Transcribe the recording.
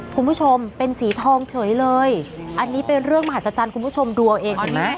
คุณผู้ชมเป็นสีทองเฉยเลยอันนี้เป็นเรื่องมหัศจรรย์คุณผู้ชมดูเอาเองเห็นไหม